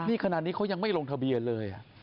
นี่ขนาดนี้เขายังไม่ลงทะเบียนเลย